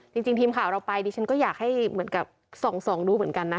ทีมข่าวเราไปดิฉันก็อยากให้เหมือนกับส่องดูเหมือนกันนะ